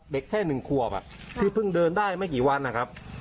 เด็กแค่๑ขวบที่เพิ่งเดินได้ไม่กี่วันนะครับ